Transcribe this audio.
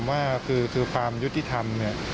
ว่าคือความยุติธรรม